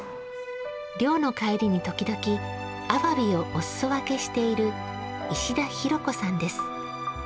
漁の帰りに時々、あわびをおすそ分けしている石田裕子さんです。